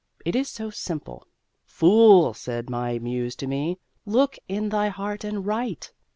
It is so simple "Fool!" said my Muse to me, "look in thy heart and write!"